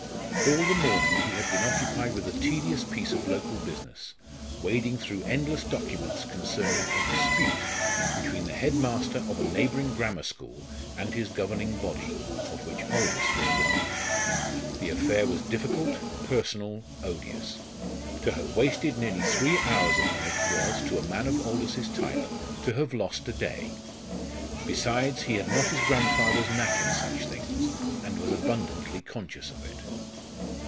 All the morning he had been occupied with a tedious piece of local business, wading through endless documents concerning a dispute between the head master of a neighbouring grammar school and his governing body, of which Aldous was one. The affair was difficult, personal, odious. To have wasted nearly three hours upon it was, to a man of Aldous's type, to have lost a day. Besides he had not his grandfather's knack in such things, and was abundantly conscious of it.